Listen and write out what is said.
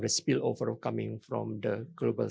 karena kegagalan yang datang dari bagian global